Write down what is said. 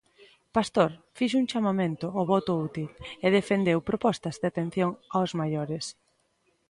Pastor fixo un chamamento o voto útil e defendeu propostas de atención os maiores.